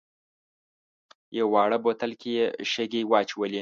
یوه واړه بوتل کې یې شګې واچولې.